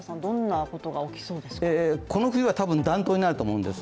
この国は暖冬になると思うんです。